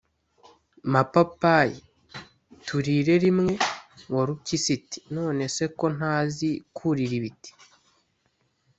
mapapayi, turire rimwe. Warupyisi iti: “None se ko ntazi kurira ibiti